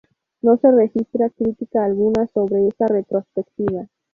No se registra critica alguna sobre esta retrospectiva.